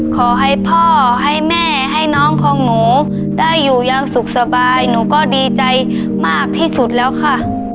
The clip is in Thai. ขอให้พ่อให้แม่ให้น้องของหนูได้อยู่อย่างสุขสบายหนูก็ดีใจมากที่สุดแล้วค่ะ